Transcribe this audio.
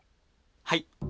はい。